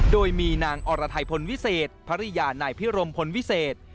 โดยมีนางอรไทยพลวิเศษภรรยานายพิรมพลวิเศษ